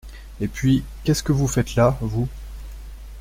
Et puis, qu’est-ce que vous faites là, vous ?